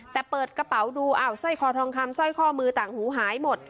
แต่เปิดกระเป๋าดูอ้าวสร้อยคอทองคำสร้อยข้อมือต่างหูหายหมด